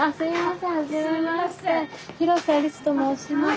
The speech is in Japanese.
広瀬アリスと申します。